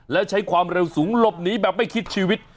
และใช้ความเร็วสูงหลบหนีแบบไม่คิดชีวิต